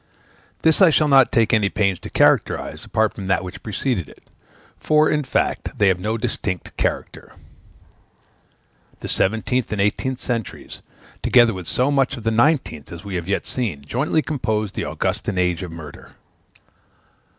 This I shall not take any pains to characterize apart from that which preceded it, for, in fact, they have no distinct character. The seventeenth and eighteenth centuries, together with so much of the nineteenth as we have yet seen, jointly compose the Augustan age of murder.